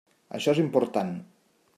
Això és important.